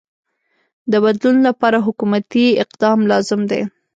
د بدلون لپاره حکومتی اقدام لازم دی.